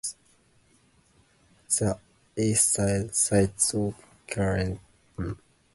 The park borders the Eastside cities of Kirkland, Bellevue, and Redmond.